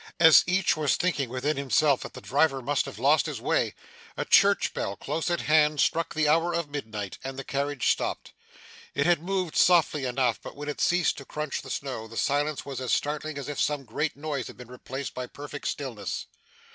As each was thinking within himself that the driver must have lost his way, a church bell, close at hand, struck the hour of midnight, and the carriage stopped. It had moved softly enough, but when it ceased to crunch the snow, the silence was as startling as if some great noise had been replaced by perfect stillness.